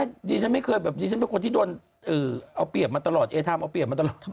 ดิฉันไม่เคยแบบดิฉันเป็นคนที่โดนเอาเปรียบมาตลอดเอทามเอาเปรียบมาตลอด